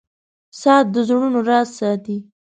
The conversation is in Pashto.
• ساعت د زړونو راز ساتي.